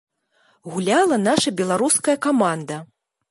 Гуляла наша беларуская каманда.